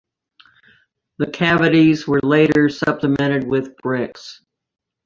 The cavities were later supplemented with bricks.